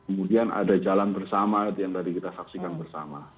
kemudian ada jalan bersama yang tadi kita saksikan bersama